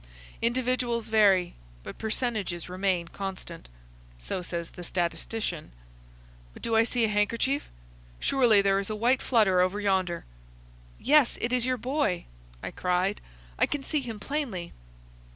Individuals vary, but percentages remain constant. So says the statistician. But do I see a handkerchief? Surely there is a white flutter over yonder." "Yes, it is your boy," I cried. "I can see him plainly."